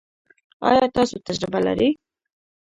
ایا تاسو تجربه لرئ؟